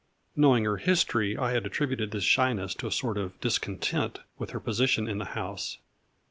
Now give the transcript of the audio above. Knowing her history, I had attributed this shyness to a sort of discontent with her position in the house.